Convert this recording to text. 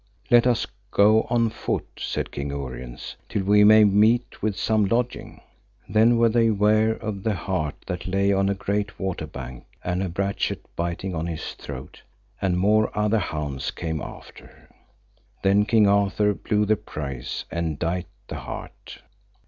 Let us go on foot, said King Uriens, till we may meet with some lodging. Then were they ware of the hart that lay on a great water bank, and a brachet biting on his throat, and more other hounds came after. Then King Arthur blew the prise and dight the hart.